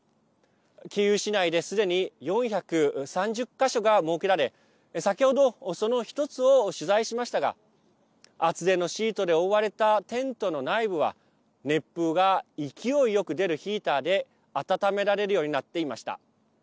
キーウ市内で、すでに４３０か所が設けられ先ほどその１つを取材しましたが厚手のシートで覆われたテントの内部は熱風が勢いよく出るヒーターで暖められるようになっていました。